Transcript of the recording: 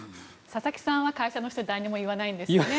佐々木さんは会社の人に誰にも言わないんですよね。